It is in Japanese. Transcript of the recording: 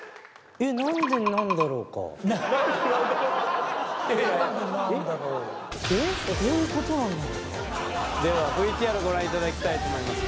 えっ？どういうことなんだろうかではＶＴＲご覧いただきたいと思います